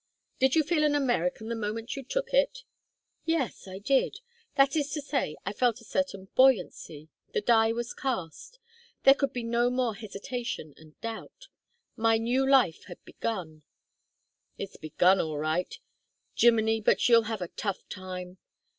"Did you feel an American the moment you took it?" "Yes I did. That is to say I felt a certain buoyancy. The die was cast. There could be no more hesitation and doubt. My new life had actually begun." "It's begun, all right. Jiminy, but you'll have a tough time.